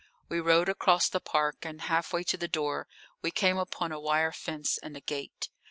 We rode across the park, and half way to the door we came upon a wire fence and a gate.